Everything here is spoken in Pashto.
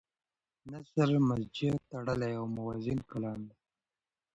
نثر مسجع تړلی او موزون کلام دی.